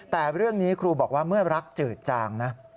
แต่เรื่องนี้ครูบอกว่าเมื่อรักจืดจางนะ